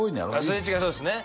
すれ違いそうっすね